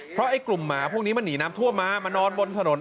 เพราะไอ้กลุ่มหมาพวกนี้มันหนีน้ำท่วมมามานอนบนถนน